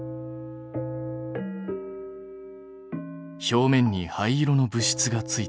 表面に灰色の物質がついた。